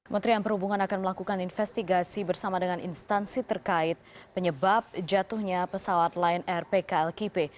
menteri perhubungan akan melakukan investigasi bersama dengan instansi terkait penyebab jatuhnya pesawat lain rpklkp